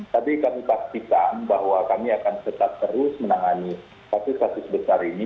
tapi kami pastikan bahwa kami akan tetap terus menangani kasus kasus besar ini